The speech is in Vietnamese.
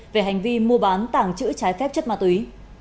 về hành vi mua bán tảng chữ trái phép chất ma túy